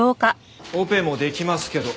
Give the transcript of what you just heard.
オペもできますけど。